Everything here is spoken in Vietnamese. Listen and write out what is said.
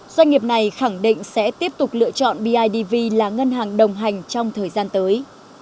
doanh nghiệp này khẳng định sẽ tiếp tục lựa chọn bidv là ngân hàng đồng hành trong thời gian tới